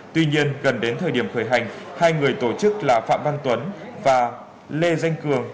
tuy nhiên gần đến thời điểm khởi hành hai người tổ chức là phạm văn tuấn và lê danh cường